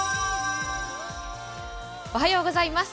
おはようございます。